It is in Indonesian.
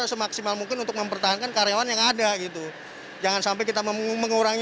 semaksimal mungkin untuk mempertahankan karyawan yang ada gitu jangan sampai kita mengurangi